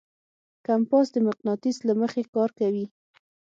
کمپاس د مقناطیس له مخې کار کوي.